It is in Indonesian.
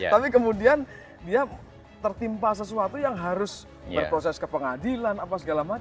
tapi kemudian dia tertimpa sesuatu yang harus berproses ke pengadilan apa segala macam